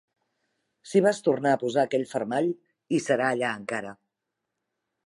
Si vas tornar a posar aquell fermall, hi serà allà encara.